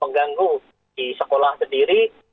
mengganggu di sekolah sendiri